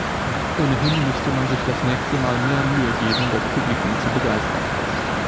Ohnehin müsste man sich das nächste Mal mehr Mühe geben, das Publikum zu begeistern.